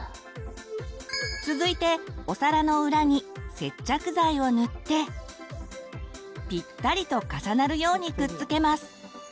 続いてお皿の裏に接着剤を塗ってピッタリと重なるようにくっつけます。